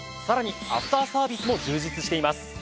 さらにアフターサービスも充実しています。